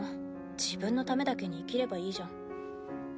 自分のためだけに生きればいいじゃん。